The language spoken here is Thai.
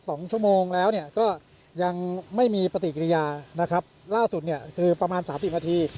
สองชั่วโมงแล้วเนี่ยก็ยังไม่มีปฏิกิริยานะครับล่าสุดเนี่ยคือประมาณสามสิบนาที